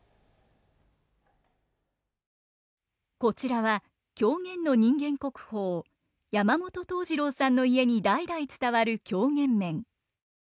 こちらは狂言の人間国宝山本東次郎さんの家に代々伝わる狂言面。